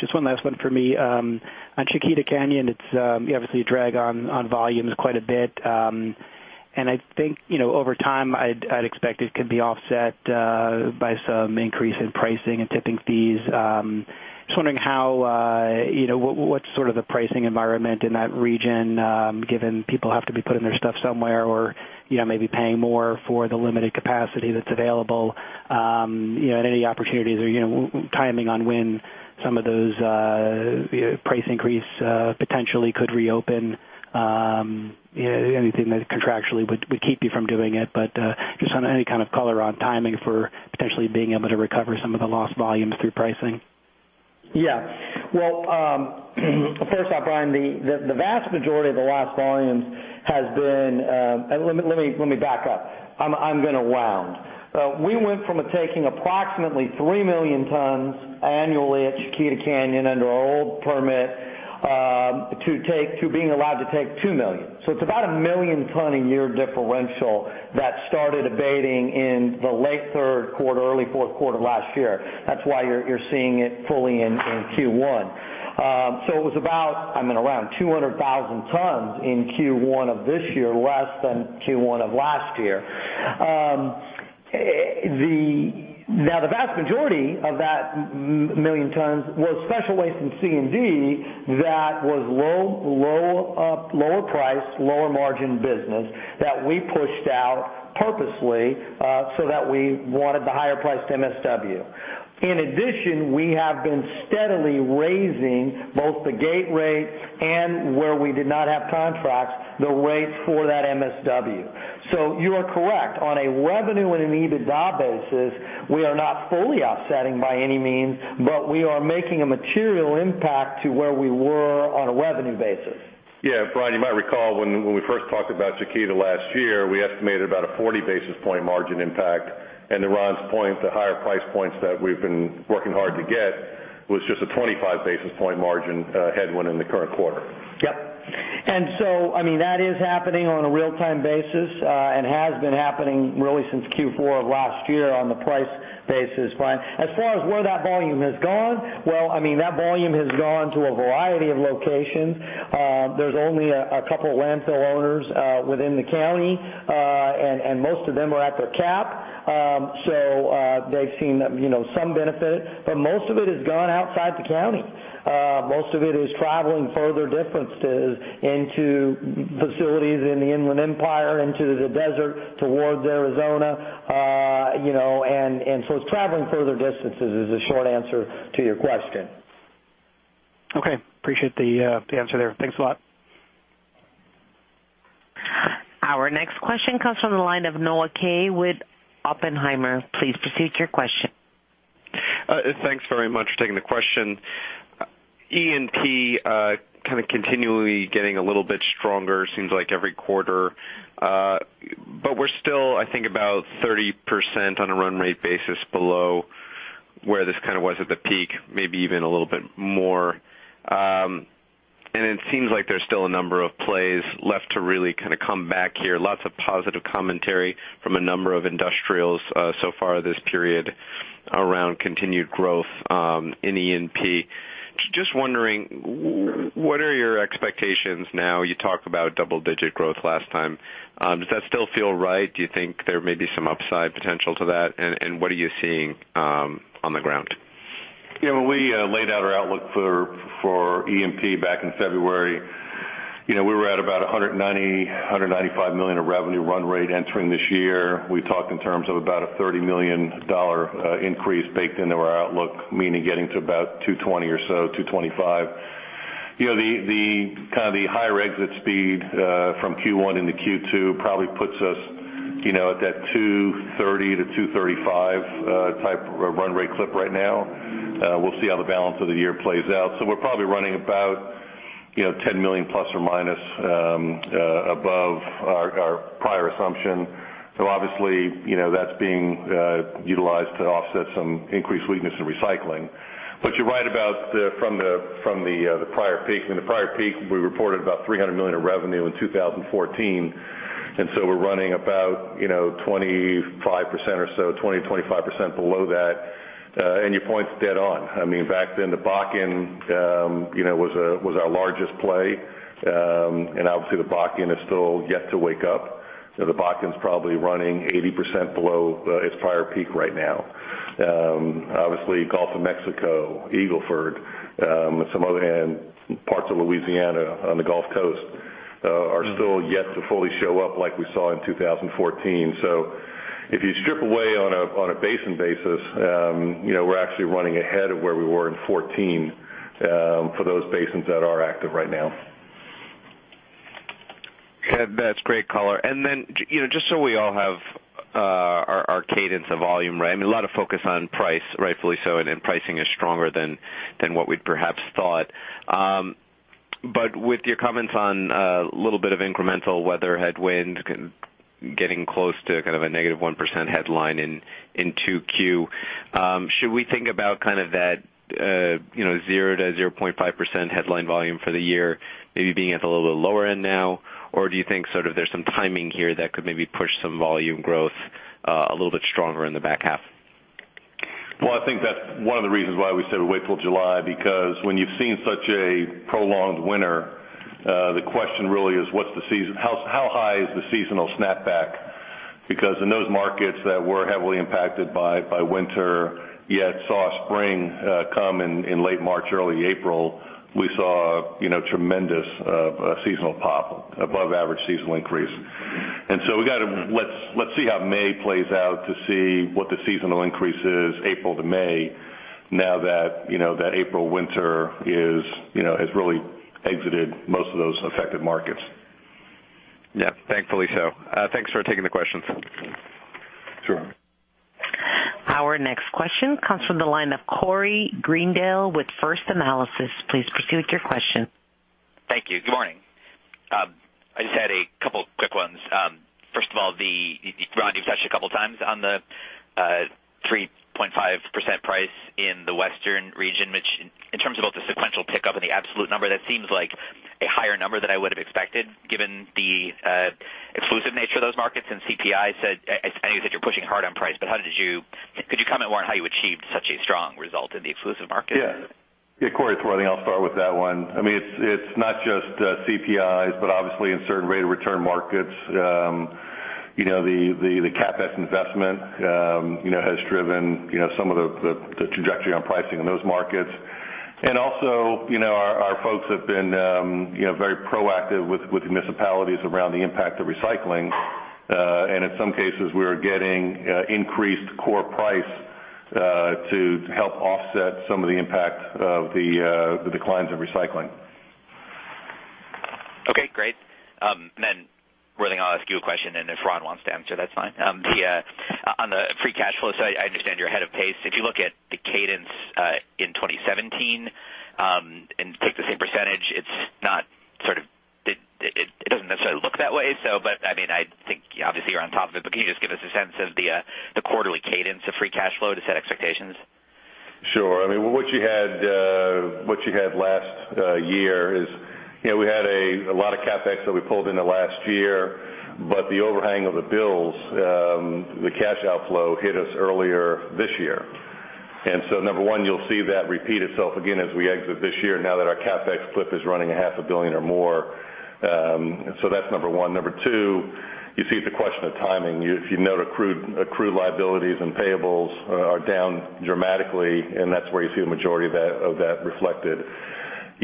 [SPEAKER 7] Just one last one for me. On Chiquita Canyon, it is obviously a drag on volumes quite a bit. I think over time, I would expect it could be offset by some increase in pricing and tipping fees. Just wondering what is sort of the pricing environment in that region, given people have to be putting their stuff somewhere or maybe paying more for the limited capacity that is available, and any opportunities or timing on when some of those price increase potentially could reopen. Anything that contractually would keep you from doing it, just on any kind of color on timing for potentially being able to recover some of the lost volumes through pricing.
[SPEAKER 2] Brian, the vast majority of the lost volumes has been. Let me back up. I am going to round. We went from taking approximately 3 million tons annually at Chiquita Canyon under our old permit, to being allowed to take 2 million. It is about a 1 million ton a year differential that started abating in the late Q3, early Q4 of last year. That is why you are seeing it fully in Q1. It was about, I am going to round, 200,000 tons in Q1 of this year, less than Q1 of last year. The vast majority of that 1 million tons was special waste from C&D that was lower price, lower margin business that we pushed out purposely, that we wanted the higher priced MSW. In addition, we have been steadily raising both the gate rates and where we did not have contracts, the rates for that MSW. You are correct. On a revenue and an EBITDA basis, we are not fully offsetting by any means, we are making a material impact to where we were on a revenue basis.
[SPEAKER 3] Brian, you might recall when we first talked about Chiquita last year, we estimated about a 40 basis point margin impact. To Ron's point, the higher price points that we have been working hard to get was just a 25 basis point margin headwind in the current quarter.
[SPEAKER 2] Yep. That is happening on a real time basis, and has been happening really since Q4 of last year on the price basis plan. As far as where that volume has gone, well, that volume has gone to a variety of locations. There's only a couple of landfill owners within the county, and most of them are at their cap. They've seen some benefit, but most of it has gone outside the county. Most of it is traveling further distances into facilities in the Inland Empire, into the desert towards Arizona. It's traveling further distances is the short answer to your question.
[SPEAKER 7] Okay. Appreciate the answer there. Thanks a lot.
[SPEAKER 1] Our next question comes from the line of Noah Kaye with Oppenheimer. Please proceed with your question.
[SPEAKER 8] Thanks very much for taking the question. E&P kind of continually getting a little bit stronger, seems like every quarter. We're still, I think, about 30% on a run rate basis below where this kind of was at the peak, maybe even a little bit more. It seems like there's still a number of plays left to really kind of come back here. Lots of positive commentary from a number of industrials so far this period around continued growth in E&P. Just wondering, what are your expectations now? You talked about double digit growth last time. Does that still feel right? Do you think there may be some upside potential to that? What are you seeing on the ground?
[SPEAKER 3] When we laid out our outlook for E&P back in February, we were at about $190 million, $195 million of revenue run rate entering this year. We talked in terms of about a $30 million increase baked into our outlook, meaning getting to about $220 or so, $225. The higher exit speed from Q1 into Q2 probably puts us at that $230-$235 type run rate clip right now. We'll see how the balance of the year plays out. We're probably running about $10 million plus or minus above our prior assumption. Obviously, that's being utilized to offset some increased weakness in recycling. But you're right about from the prior peak. In the prior peak, we reported about $300 million of revenue in 2014, and we're running about 25% or so, 20%-25% below that. And your point's dead on. Back then, the Bakken was our largest play. Obviously the Bakken is still yet to wake up. The Bakken's probably running 80% below its prior peak right now. Obviously Gulf of Mexico, Eagle Ford, and some other parts of Louisiana on the Gulf Coast are still yet to fully show up like we saw in 2014. If you strip away on a basin basis, we're actually running ahead of where we were in 2014 for those basins that are active right now.
[SPEAKER 8] That's great color. Just so we all have our cadence of volume, a lot of focus on price, rightfully so, pricing is stronger than what we'd perhaps thought. But with your comments on a little bit of incremental weather headwind getting close to kind of a -1% headline in 2Q, should we think about that 0%-0.5% headline volume for the year maybe being at the little lower end now? Or do you think sort of there's some timing here that could maybe push some volume growth a little bit stronger in the back half?
[SPEAKER 3] I think that's one of the reasons why we said we'll wait till July, because when you've seen such a prolonged winter, the question really is how high is the seasonal snapback? Because in those markets that were heavily impacted by winter, yet saw spring come in late March, early April, we saw tremendous seasonal pop, above average seasonal increase. Let's see how May plays out to see what the seasonal increase is April to May now that April winter has really exited most of those affected markets.
[SPEAKER 8] Yeah. Thankfully so. Thanks for taking the questions.
[SPEAKER 3] Sure.
[SPEAKER 1] Our next question comes from the line of Corey Greendale with First Analysis. Please proceed with your question.
[SPEAKER 9] Thank you. Good morning. I just had a couple quick ones. First of all, Ron, you touched a couple times on the 3.5% price in the Western region, which in terms of both the sequential pickup and the absolute number, that seems like a higher number than I would have expected given the exclusive nature of those markets. CPI said, I know you said you're pushing hard on price, but how you achieved such a strong result in the exclusive market?
[SPEAKER 3] Yeah. Corey, it's Worthing, I'll start with that one. It's not just CPIs, but obviously in certain rate of return markets, the CapEx investment has driven some of the trajectory on pricing in those markets. Also, our folks have been very proactive with municipalities around the impact of recycling. In some cases, we're getting increased core price, to help offset some of the impact of the declines in recycling.
[SPEAKER 9] Okay, great. Worthing, I'll ask you a question, and if Ron wants to answer, that's fine. On the free cash flow, I understand you're ahead of pace. If you look at the cadence in 2017, and take the same percentage, it doesn't necessarily look that way. I think obviously you're on top of it, can you just give us a sense of the quarterly cadence of free cash flow to set expectations?
[SPEAKER 3] Sure. What you had last year is, we had a lot of CapEx that we pulled into last year, the overhang of the bills, the cash outflow hit us earlier this year. Number 1, you'll see that repeat itself again as we exit this year, now that our CapEx clip is running a half a billion or more. That's number 1. Number 2, you see it's a question of timing. If you note accrued liabilities and payables are down dramatically, and that's where you see the majority of that reflected.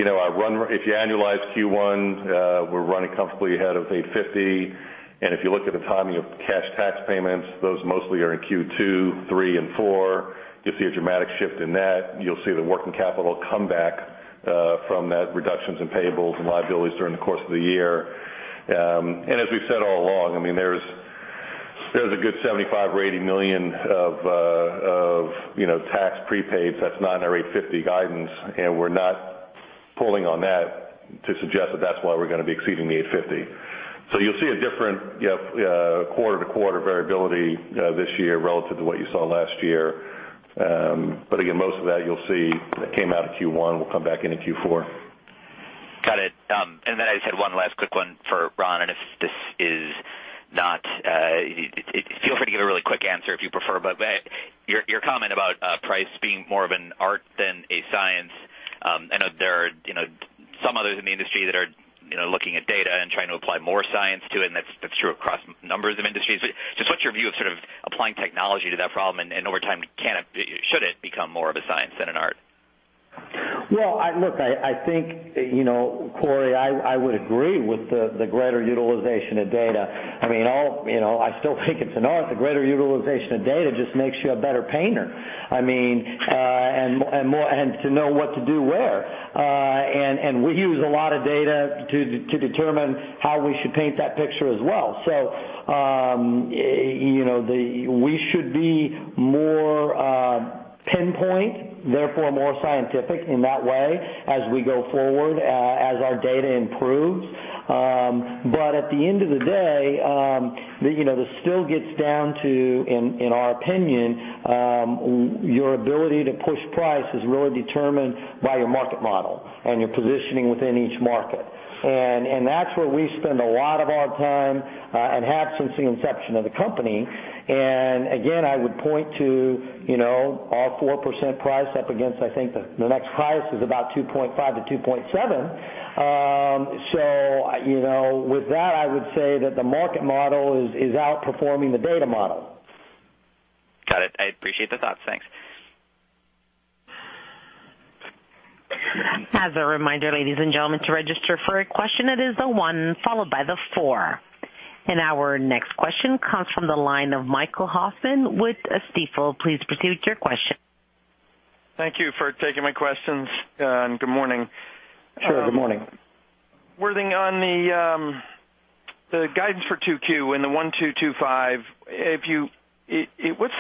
[SPEAKER 3] If you annualize Q1, we're running comfortably ahead of $850. If you look at the timing of cash tax payments, those mostly are in Q2, Q3 and Q4. You'll see a dramatic shift in that. You'll see the working capital come back from that reductions in payables and liabilities during the course of the year. As we've said all along, there's a good $75 or $80 million of tax prepaid that's not in our $850 guidance, and we're not pulling on that to suggest that's why we're going to be exceeding the $850. You'll see a different quarter-to-quarter variability this year relative to what you saw last year. Again, most of that you'll see that came out of Q1 will come back into Q4.
[SPEAKER 9] Got it. I just had one last quick one for Ron. Feel free to give a really quick answer if you prefer, but your comment about price being more of an art than a science. I know there are some others in the industry that are looking at data and trying to apply more science to it, and that's true across numbers of industries. Just what's your view of applying technology to that problem, and over time, should it become more of a science than an art?
[SPEAKER 2] Well, look, Corey, I would agree with the greater utilization of data. I still think it's an art. The greater utilization of data just makes you a better painter. To know what to do where. We use a lot of data to determine how we should paint that picture as well. We should be more pinpoint, therefore more scientific in that way as we go forward, as our data improves. At the end of the day, this still gets down to, in our opinion, your ability to push price is really determined by your market model and your positioning within each market. That's where we spend a lot of our time, and have since the inception of the company. Again, I would point to our 4% price up against, I think the next highest is about 2.5%-2.7%. With that, I would say that the market model is outperforming the data model.
[SPEAKER 9] Got it. I appreciate the thoughts. Thanks.
[SPEAKER 1] As a reminder, ladies and gentlemen, to register for a question, it is the one followed by the four. Our next question comes from the line of Michael Hoffman with Stifel. Please proceed with your question.
[SPEAKER 10] Thank you for taking my questions. Good morning.
[SPEAKER 3] Sure, good morning.
[SPEAKER 10] Worthing, on the guidance for 2Q and the $1,225, what's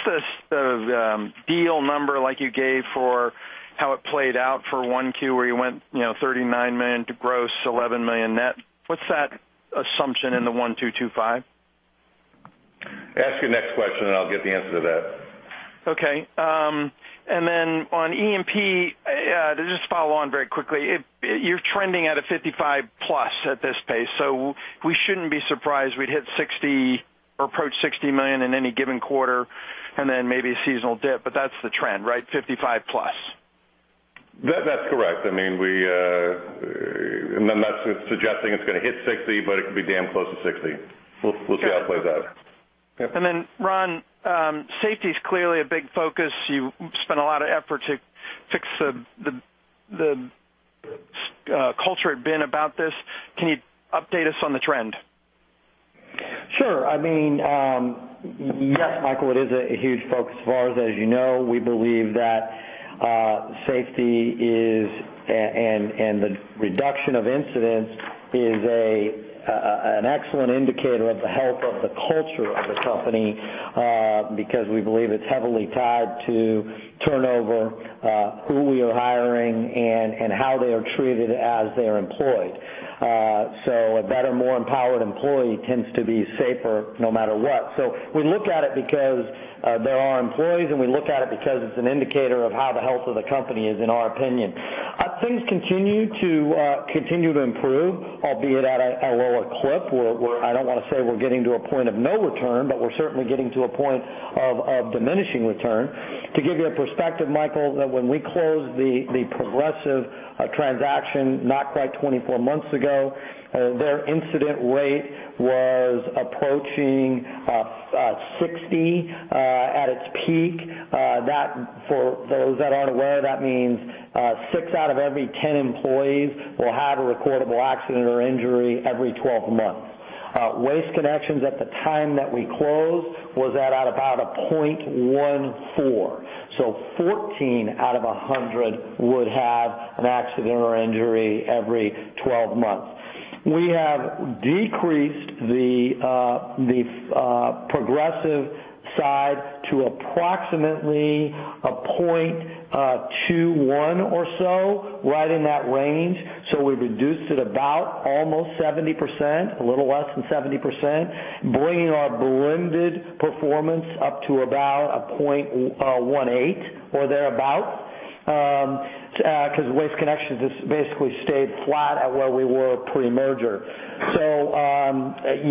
[SPEAKER 10] the deal number like you gave for how it played out for 1Q where you went $39 million to gross $11 million net? What's that assumption in the $1,225?
[SPEAKER 3] Ask your next question. I'll get the answer to that.
[SPEAKER 10] Okay. On E&P, just follow on very quickly. You're trending at a 55+ at this pace, so we shouldn't be surprised we'd hit 60 or approach 60 million in any given quarter, then maybe a seasonal dip, but that's the trend, right? 55+.
[SPEAKER 3] That's correct. I'm not suggesting it's going to hit 60, but it could be damn close to 60. We'll see how it plays out.
[SPEAKER 10] Ron, safety's clearly a big focus. You've spent a lot of effort to fix the culture at Bin about this. Can you update us on the trend?
[SPEAKER 2] Sure. Yes, Michael, it is a huge focus for us. As you know, we believe that safety is, and the reduction of incidents is an excellent indicator of the health of the culture of the company, because we believe it's heavily tied to turnover, who we are hiring and how they are treated as they are employed. A better, more empowered employee tends to be safer no matter what. We look at it because they're our employees, and we look at it because it's an indicator of how the health of the company is in our opinion. Things continue to improve, albeit at a lower clip. I don't want to say we're getting to a point of no return, but we're certainly getting to a point of diminishing return. To give you a perspective, Michael Hoffman, when we closed the Progressive transaction, not quite 24 months ago, their incident rate was approaching 60 at its peak. For those that aren't aware, that means 6 out of every 10 employees will have a recordable accident or injury every 12 months. Waste Connections, at the time that we closed, was at about a 0.14. 14 out of 100 would have an accident or injury every 12 months. We have decreased the Progressive side to approximately a 0.21 or so, right in that range. We've reduced it about almost 70%, a little less than 70%, bringing our blended performance up to about a 0.18 or thereabout. Because Waste Connections has basically stayed flat at where we were pre-merger. It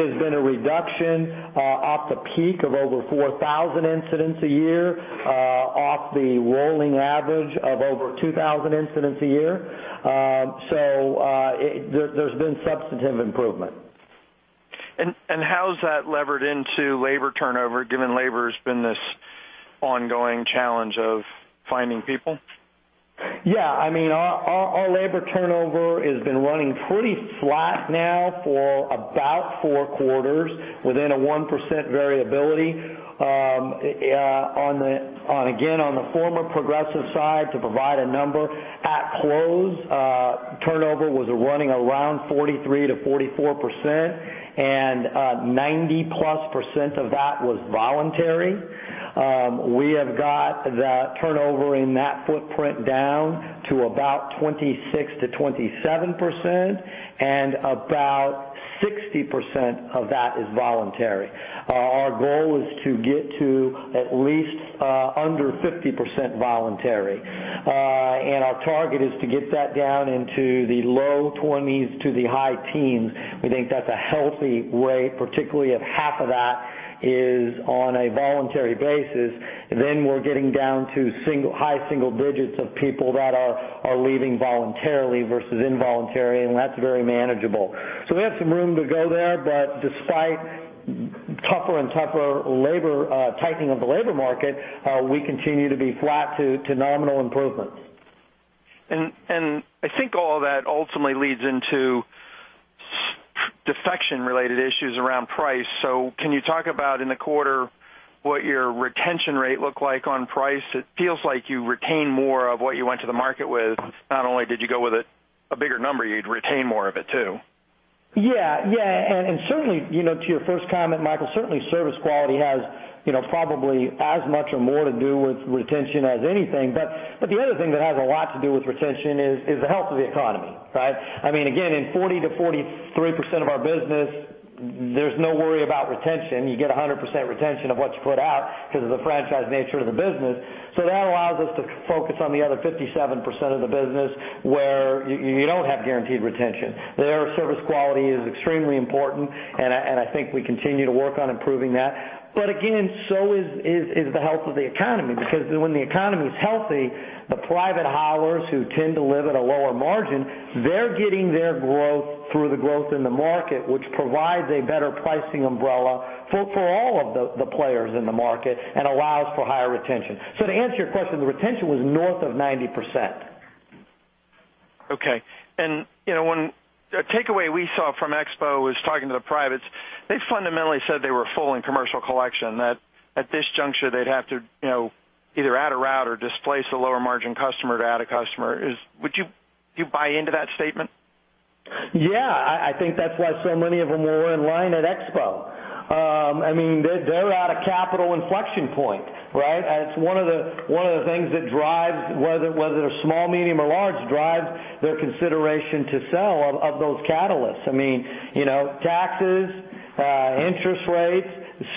[SPEAKER 2] has been a reduction off the peak of over 4,000 incidents a year, off the rolling average of over 2,000 incidents a year. There's been substantive improvement.
[SPEAKER 10] How has that levered into labor turnover, given labor has been this ongoing challenge of finding people?
[SPEAKER 2] Yeah. Our labor turnover has been running pretty flat now for about four quarters, within a 1% variability. Again, on the former Progressive side, to provide a number, at close, turnover was running around 43%-44%, and 90-plus% of that was voluntary. We have got the turnover in that footprint down to about 26%-27%, and about 60% of that is voluntary. Our goal is to get to at least under 50% voluntary. Our target is to get that down into the low 20s to the high teens. We think that's a healthy rate, particularly if half of that is on a voluntary basis. Then we're getting down to high single digits of people that are leaving voluntarily versus involuntarily, and that's very manageable. We have some room to go there, but despite tougher and tougher tightening of the labor market, we continue to be flat to nominal improvements.
[SPEAKER 10] I think all that ultimately leads into defection-related issues around price. Can you talk about in the quarter what your retention rate looked like on price? It feels like you retain more of what you went to the market with. Not only did you go with a bigger number, you'd retain more of it, too.
[SPEAKER 2] Certainly, to your first comment, Michael, certainly service quality has probably as much or more to do with retention as anything. The other thing that has a lot to do with retention is the health of the economy, right? Again, in 40%-43% of our business, there's no worry about retention. You get 100% retention of what's put out because of the franchise nature of the business. That allows us to focus on the other 57% of the business where you don't have guaranteed retention. There, service quality is extremely important, and I think we continue to work on improving that. Again, so is the health of the economy, because when the economy is healthy, the private haulers who tend to live at a lower margin, they're getting their growth through the growth in the market, which provides a better pricing umbrella for all of the players in the market and allows for higher retention. To answer your question, the retention was north of 90%.
[SPEAKER 10] Okay. A takeaway we saw from WasteExpo was talking to the privates. They fundamentally said they were full in commercial collection, that at this juncture, they'd have to either add a route or displace a lower-margin customer to add a customer. Would you buy into that statement?
[SPEAKER 2] Yeah, I think that's why so many of them were in line at WasteExpo. They're at a capital inflection point, right? It's one of the things that, whether they're small, medium, or large, drives their consideration to sell of those catalysts. Taxes, interest rates,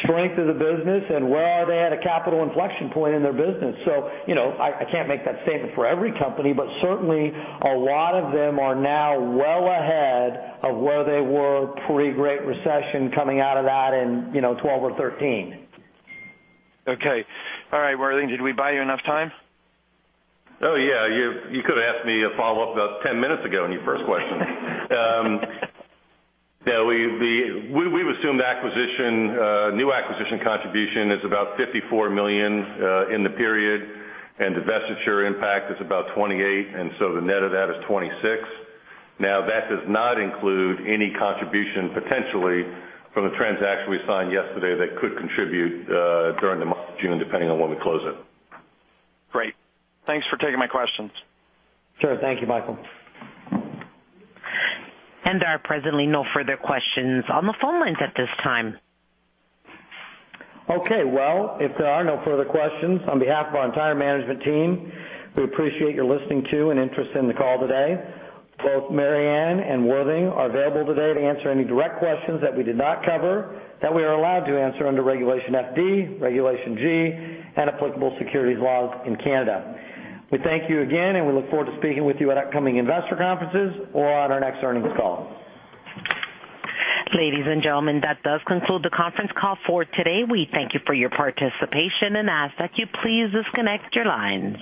[SPEAKER 2] strength of the business, and where are they at a capital inflection point in their business? I can't make that statement for every company, but certainly a lot of them are now well ahead of where they were pre-Great Recession, coming out of that in 2012 or 2013.
[SPEAKER 10] Okay. All right, Worthing, did we buy you enough time?
[SPEAKER 3] Oh, yeah. You could've asked me a follow-up about 10 minutes ago on your first question. We've assumed new acquisition contribution is about 54 million in the period, divestiture impact is about 28, so the net of that is 26. That does not include any contribution potentially from the transaction we signed yesterday that could contribute during the month of June, depending on when we close it.
[SPEAKER 10] Great. Thanks for taking my questions.
[SPEAKER 2] Sure. Thank you, Michael.
[SPEAKER 1] There are presently no further questions on the phone lines at this time.
[SPEAKER 2] Okay. Well, if there are no further questions, on behalf of our entire management team, we appreciate your listening to and interest in the call today. Both Mary Anne and Worthing are available today to answer any direct questions that we did not cover that we are allowed to answer under Regulation FD, Regulation G, and applicable securities laws in Canada. We thank you again, and we look forward to speaking with you at upcoming investor conferences or on our next earnings call.
[SPEAKER 1] Ladies and gentlemen, that does conclude the conference call for today. We thank you for your participation and ask that you please disconnect your lines.